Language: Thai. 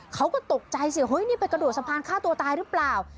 เขาก็ตกใจเป็นผู้ชายจะกระโดดสะพานฆ่าตัวตายหรือเปล่า